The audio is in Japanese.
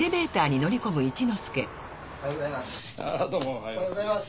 おはようございます。